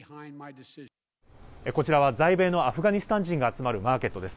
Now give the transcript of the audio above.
こちらは、在米のアフガニスタン人が集まるマーケットです。